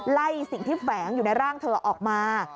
ไล่สิ่งที่แฝงอยู่ในร่างเธอออกมา